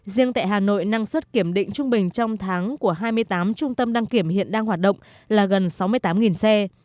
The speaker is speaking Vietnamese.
riêng tại hà nội năng suất kiểm định trung bình trong tháng của hai mươi tám trung tâm đăng kiểm hiện đang hoạt động là gần sáu mươi tám xe